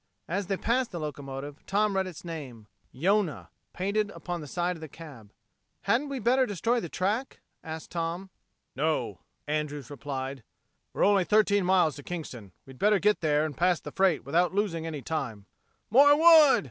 As they passed the locomotive, Tom read its name, Yonah, painted upon the side of the cab. "Hadn't we better destroy the track?" asked Tom. "No," Andrews replied, "we're only thirteen miles to Kingston. We better get there and past the freight without losing any time." "More wood!"